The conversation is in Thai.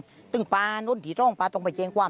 คนเรื่อยปีก็ทำใหญ่งี่